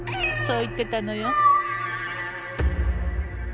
そう言ってたのよ。